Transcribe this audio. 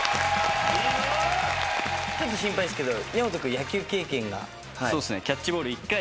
ちょっと心配ですけど。